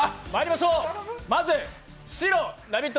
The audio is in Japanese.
まず白、「ラヴィット！」